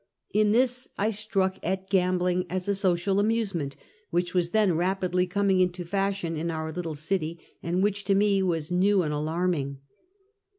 In tbis I struck at gambling as a social amuse ment, wbicb was tlien rapidlj coming into fasbion in our little city, and wbicb to me was new and alarming.